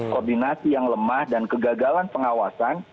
koordinasi yang lemah dan kegagalan pengawasan